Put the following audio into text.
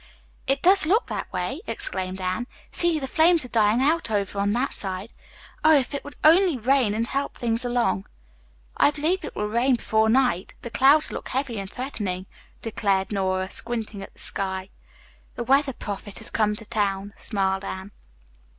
"It does look that way," exclaimed Anne. "See, the flames are dying out over on that side. Oh, if it would only rain and help things along." "I believe it will rain before night. The clouds look heavy and threatening," declared Nora, squinting at the sky. "The weather prophet has come to town," smiled Anne.